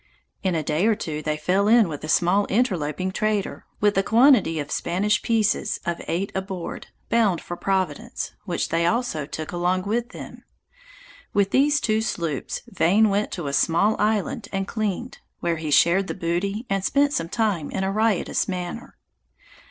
In a day or two they fell in with a small interloping trader, with a quantity of Spanish pieces of eight aboard, bound for Providence, which they also took along with them. With these two sloops, Vane went to a small island and cleaned; where he shared the booty, and spent some time in a riotous manner.